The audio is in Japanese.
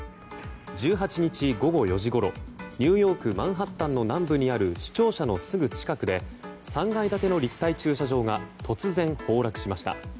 １８日午後４時ごろニューヨーク・マンハッタンの南部にある市庁舎のすぐ近くで３階建ての立体駐車場が突然、崩落しました。